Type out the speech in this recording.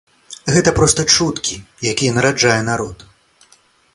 Гэта проста чуткі, якія нараджае народ.